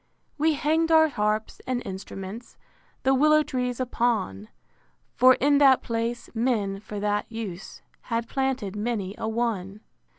II. We hang'd our harps and instruments The willow trees upon: For in that place, men, for that use, Had planted many a one.